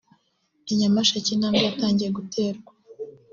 I Nyamasheke intambwe yatangiye guterwa